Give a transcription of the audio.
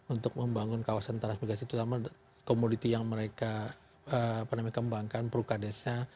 untuk membangun kawasan transmigrasi terutama komoditi yang mereka kembangkan prukadesa